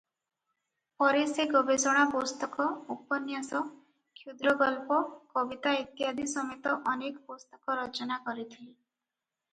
ପରେ ସେ ଗବେଷଣା ପୁସ୍ତକ, ଉପନ୍ୟାସ, କ୍ଷୁଦ୍ରଗଳ୍ପ, କବିତା ଇତ୍ୟାଦି ସମେତ ଅନେକ ପୁସ୍ତକ ରଚନା କରିଥିଲେ ।